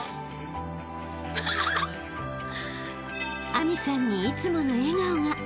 ［明未さんにいつもの笑顔が］